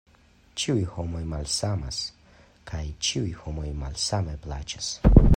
Ĉiuj homoj malsamas, kaj ĉiuj homoj malsame plaĉas.